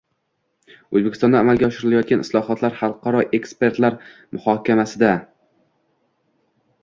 O‘zbekistonda amalga oshirilayotgan islohotlar xalqaro ekspertlar muhokamasidang